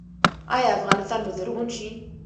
آیا افغانستان به زرغون شي؟